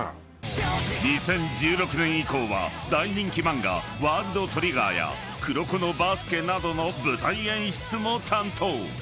［２０１６年以降は大人気漫画『ワールドトリガー』や『黒子のバスケ』などの舞台演出も担当］